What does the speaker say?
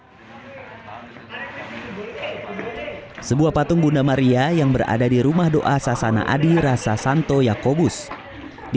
hai sebuah patung bunda maria yang berada di rumah doa sasana adi rasa santo yaakobus di